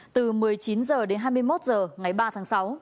từ một mươi chín h đến hai mươi một h ngày ba tháng sáu